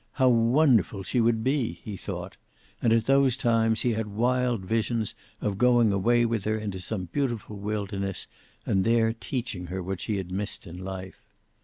How wonderful she would be, he thought. And at those times he had wild visions of going away with her into some beautiful wilderness and there teaching her what she had missed in life.